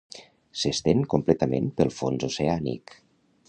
S'estén completament pel fons oceànic.